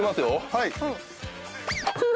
はい。